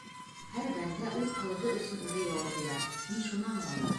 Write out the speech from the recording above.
Һәр бәндә үҙ ҡылығы өсөн үҙе яуап бирә - мин шуны аңланым.